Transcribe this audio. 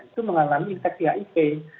itu mengalami infeksi hiv